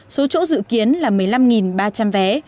số chỗ dự kiến là một mươi năm ba trăm linh vé